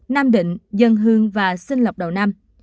nam định dân hương và sinh lọc đầu năm